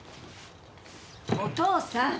お父さん！